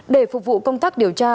để phục vụ công tác điều tra